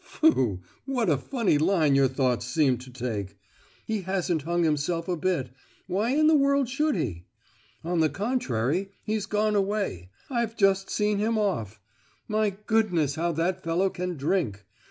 "Tfu! What a funny line your thoughts seem to take. He hasn't hung himself a bit—why in the world should he?—on the contrary, he's gone away. I've just seen him off! My goodness, how that fellow can drink!